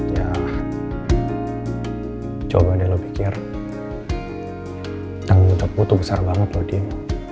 ya coba deh lo pikir yang udah butuh besar banget lo dien